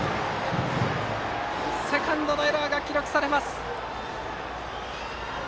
セカンドのエラーが記録されます。